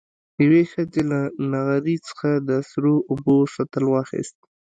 يوې ښځې له نغري څخه د سرو اوبو سطل واخېست.